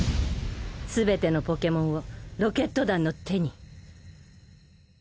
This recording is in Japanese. すべてのポケモンをロケット団の手に。